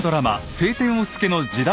「青天を衝け」の時代